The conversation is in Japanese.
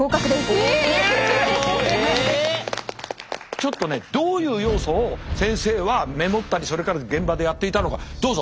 ちょっとねどういう要素を先生はメモったりそれから現場でやっていたのかどうぞ！